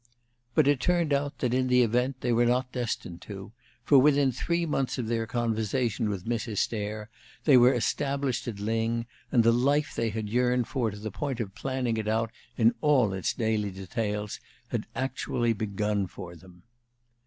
But it turned out that in the event they were not destined to, for within three months of their conversation with Mrs. Stair they were established at Lyng, and the life they had yearned for to the point of planning it out in all its daily details had actually begun for them.